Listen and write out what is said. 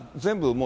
もう